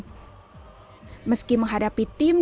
meski menghadapi tim dengan kemampuan yang tidak terlalu baik